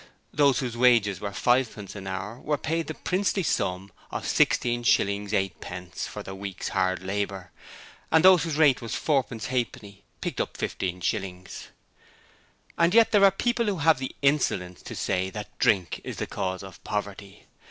Those whose wages were fivepence an hour were paid the princely sum of 16/8d. for their week's hard labour, and those whose rate was fourpence halfpenny 'picked up' 15/ . And yet there are people who have the insolence to say that Drink is the cause of poverty.